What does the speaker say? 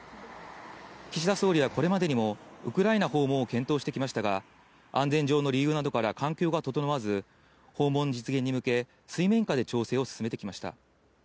岸田総理はこれまでにもウクライナ訪問を検討してきましたが、安全上の理由などから環境が整わず、訪問実現に向け、水面下で調整を進めてきました。